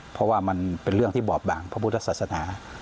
เพราะว่ามันเป็นเรื่องที่บอบบางพระพุทธศาสนา